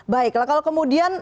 baiklah kalau kemudian